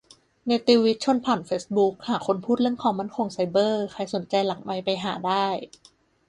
เนติวิทย์ชวนผ่านเฟซบุ๊ก หาคนพูดเรื่องความมั่นคงไซเบอร์ ใครสนใจหลังไมค์ไปหาได้